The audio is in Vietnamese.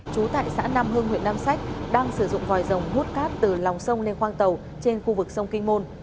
trú tại xã nam hưng huyện nam sách đang sử dụng vòi rồng hút cát từ lòng sông lên khoang tàu trên khu vực sông kinh môn